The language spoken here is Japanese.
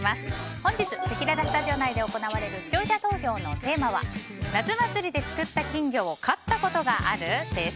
本日せきららスタジオ内で行われる視聴者投票のテーマは夏祭りですくった金魚を飼ったことがある？です。